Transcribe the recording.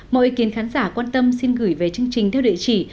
mọi ý kiến khán giả quan tâm xin gửi về chương trình theo địa chỉ